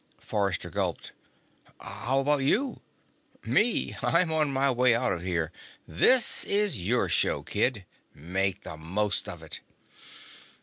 Forrester gulped. "How about you?" "Me? I'm on my way out of here. This is your show, kid. Make the most of it."